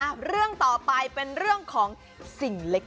เรื่องต่อไปเป็นเรื่องของสิ่งเล็ก